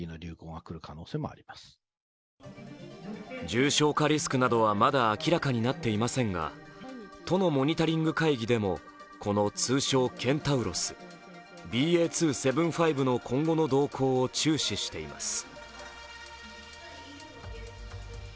重症化リスクなどはまだ明らかになっていませんが、都のモニタリング会議でもこの通称ケンタウロスＢＡ．２．７５の今後の動向を注視しています。